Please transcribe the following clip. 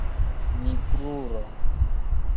nigrulo